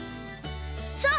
そう！